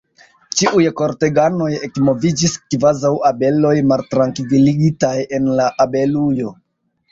Ĉiuj korteganoj ekmoviĝis, kvazaŭ abeloj, maltrankviligitaj en la abelujo.